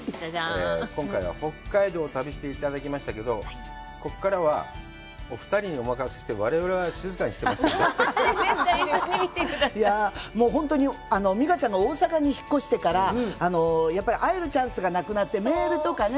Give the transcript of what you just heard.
今回は北海道を旅して頂きましたけどこっからはお二人にお任せしてわれわれは静かにしてますんでほんとに美佳ちゃんが大阪に引っ越してから会えるチャンスがなくなってメールとかね